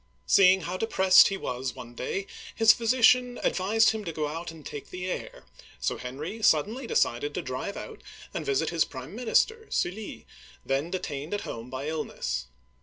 " Seeing how depressed he was one day, his physician ad vised him to go out and take the air, so Henry suddenly decided to drive out and visit his prime minister. Sully, then detained at home by illness.